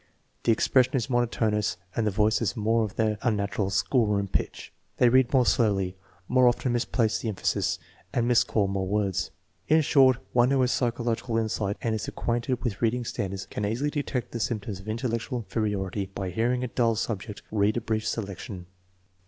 The expression is monotonous and the voice has more of the unnatural " schoolroom " pitch. They read more slowly, more often misplace the emphasis, and miscall more words. In short, one who has psychological insight and is acquainted with reading standards can easily detect "the symptoms of intellectual inferiority by hearing a dull subject read a brief selection.